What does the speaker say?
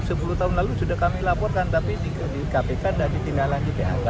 itu sepuluh tahun lalu sudah kami laporkan tapi di kpk dan ditinggalan di ph